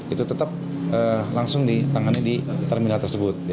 itu tetap langsung ditangani di terminal tersebut